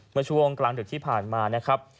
เมื่อช่วงกลางดึกที่ผ่านมานะครับ